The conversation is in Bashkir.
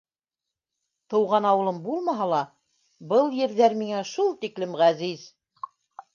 Тыуған ауылым булмаһа ла, был ерҙәр миңә шул тиклем ғәзиз.